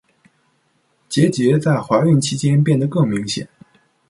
结节在怀孕期间变得更明显。